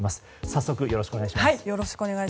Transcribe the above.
早速よろしくお願いします。